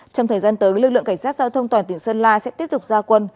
trong thời gian tới lực lượng cảnh sát giao thông toàn tỉnh sơn la sẽ tiếp tục ra quân